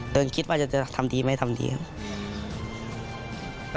คิดว่าจะทำดีไม่ทำดีครับ